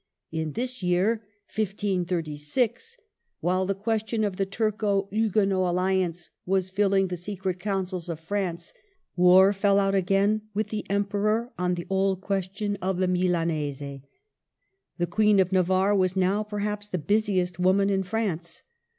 In this year 1536, while the question of the Turco Huguenot alli ance was filling the secret councils of France, war fell out again with the Emperor on the old question of the Milanese. The Queen of Navarre was now, perhaps, the busiest woman in France.